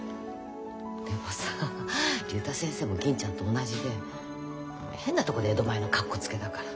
でもさ竜太先生も銀ちゃんと同じで変なとこで江戸前のかっこつけだから。